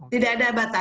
tidak ada batasan